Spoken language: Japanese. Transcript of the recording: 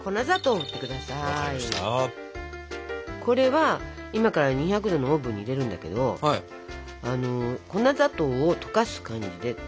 これは今から２００℃のオーブンに入れるんだけど粉砂糖を溶かす感じで。